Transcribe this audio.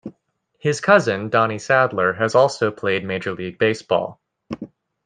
His cousin Donnie Sadler, has also played Major League Baseball.